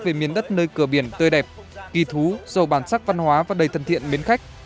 về miền đất nơi cửa biển tươi đẹp kỳ thú dầu bản sắc văn hóa và đầy thân thiện mến khách